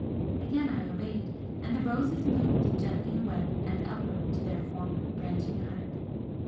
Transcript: Again I obeyed, and the roses moved gently away and upward to their former branching height.